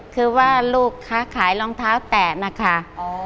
คือว่าลูกค้าขายรองเท้าแตะนะคะ